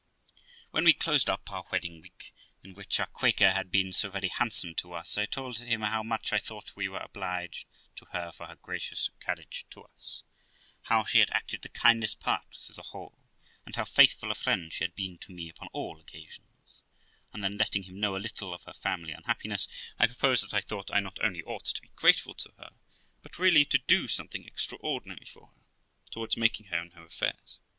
When we closed up our wedding week, in which our Quaker had been so very handsome to us, I told him how much I thought we were obliged to her for her generous carriage to us; how she had acted the kindest part through the whole, and how faithful a friend she had been to me upon all occasions; and then, letting him know a little of her family unhappiness, I proposed that I thought I not only ought to be grate ful to her, but really to do something extraordinary for her, towards making her in her affairs.